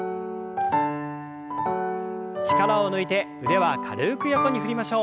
力を抜いて腕は軽く横に振りましょう。